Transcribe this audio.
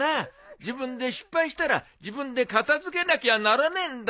自分で失敗したら自分で片付けなきゃならねえんだ。